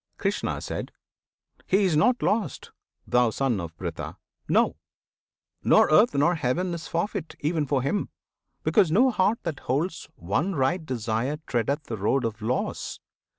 Krishna. He is not lost, thou Son of Pritha! No! Nor earth, nor heaven is forfeit, even for him, Because no heart that holds one right desire Treadeth the road of loss!